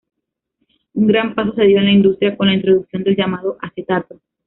Un gran paso se dio en la industria con la introducción del llamado acetato.